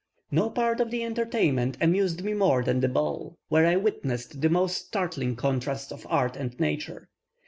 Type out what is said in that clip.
No part of the entertainment amused me more than the ball, where I witnessed the most startling contrasts of art and nature.